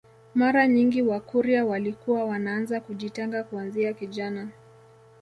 Mara nyingi wakurya walikuwa wanaanza kujitenga kuanzia kijana